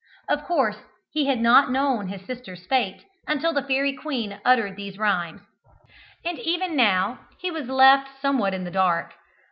Of course he had not known his sister's fate until the fairy queen uttered these rhymes, and even now he was left somewhat in the dark.